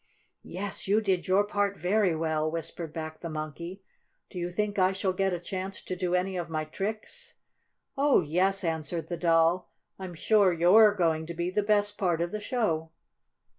"Yes, you did your part very well," whispered back the Monkey. "Do you think I shall get a chance to do any of my tricks?" "Oh, yes," answered the Doll. "I'm sure you're going to be the best part of the show."